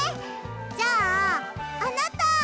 じゃああなた！